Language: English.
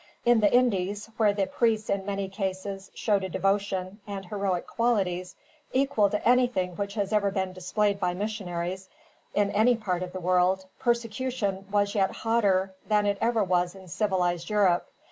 In the Indies, where the priests in many cases showed a devotion, and heroic qualities, equal to anything which has ever been displayed by missionaries, in any part of the world, persecution was yet hotter than it ever was in civilized Europe.